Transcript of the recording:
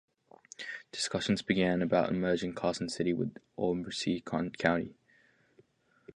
Discussions began about merging Carson City with Ormsby County.